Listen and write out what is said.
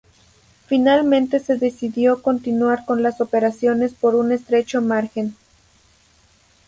Finalmente se decidió continuar con las operaciones por un estrecho margen.